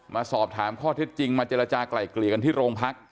มาสอบถามข้อเท็จจริงมาเจรจากลายเกลี่ยกันที่โรงพัก